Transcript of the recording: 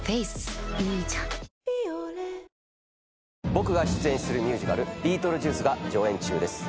僕が出演するミュージカル『ビートルジュース』が上演中です。